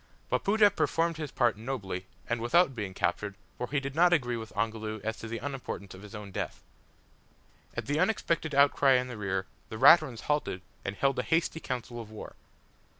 Wapoota performed his part nobly and without being captured, for he did not agree with Ongoloo as to the unimportance of his own death! At the unexpected outcry in the rear the Raturans halted, and held a hasty council of war.